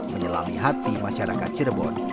mengembangkan hati masyarakat cirebon